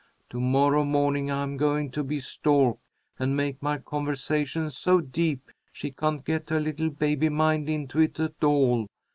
To morrow morning I'm going to be stork, and make my conversation so deep she can't get her little baby mind into it at all.